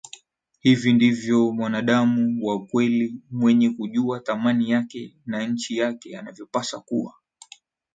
hivi ndivyo mwanaadamu wa kweli mwenye kujuwa thamani yake na nchi yake anavyopasa kuwa